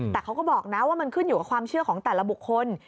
แต่เขาก็บอกนะว่ามันขึ้นอยู่กับความเชื่อของแต่ละบุคคล